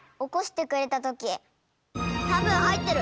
たぶんはいってる！